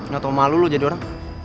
gatau malu lo jadi orang